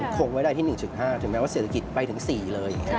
คงไว้ได้ที่๑๕ถึงแม้ว่าเศรษฐกิจไปถึง๔เลย